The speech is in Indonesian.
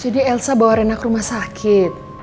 jadi elsa bawa rena ke rumah sakit